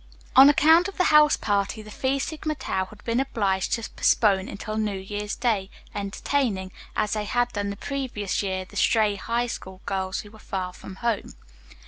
On account of the house party the Phi Sigma Tau had been obliged to postpone until New Year's Day entertaining as they had done the previous year the stray High School girls who were far from home.